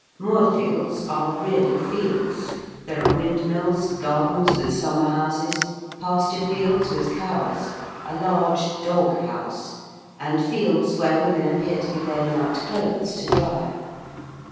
Moorfields are really fields. There are windmills, gardens with summer houses, pasture fields with cows, a large 'dogge house,' and fields where women appear to be laying out clothes to dry.